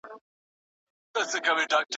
ما د هغې غږ په خوب کې اورېدلی و.